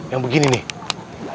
yang begini nih